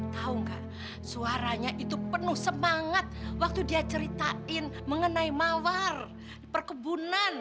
tahu enggak suaranya itu penuh semangat waktu dia ceritain mengenai mawar perkebunan